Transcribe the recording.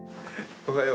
おはよう。